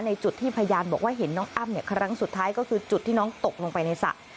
จุดที่พยานบอกว่าเห็นน้องอ้ำครั้งสุดท้ายก็คือจุดที่น้องตกลงไปในสระ